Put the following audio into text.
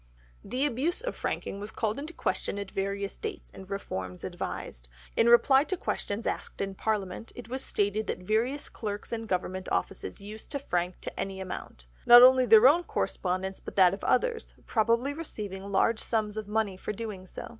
The abuse of franking was called in question at various dates, and reforms advised. In reply to questions asked in Parliament, it was stated that various clerks in Government offices used to frank to any amount—not only their own correspondence but that of others; probably receiving large sums of money for doing so.